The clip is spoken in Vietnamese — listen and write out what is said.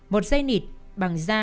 một dây nịt bằng da